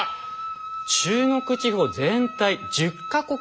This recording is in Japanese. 中国地方全体１０か国もの